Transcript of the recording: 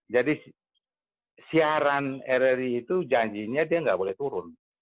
jadi siaran rri itu janjinya dia tidak boleh turun